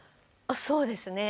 そうですね。